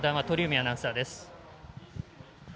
鳥海アナウンサーです。